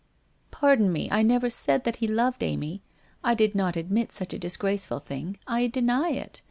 ' Pardon me, I never said that he loved Amy. I did not admit such a disgraceful thing. I deny it.